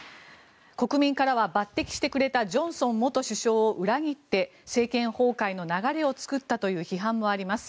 国民からは抜てきしてくれたジョンソン元首相を裏切って政権崩壊の流れを作ったという批判もあります。